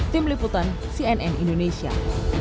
tim liputan cnn indonesia